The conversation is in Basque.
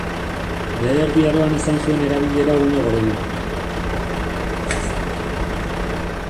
Behe Erdi Aroan izan zuen erabilera une gorena.